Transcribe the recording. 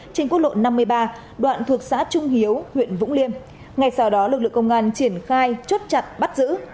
trên quốc lộ năm mươi ba đoạn thuộc xã trung hiếu huyện vũng liêm ngày sau đó lực lượng công an triển khai chốt chặn bắt giữ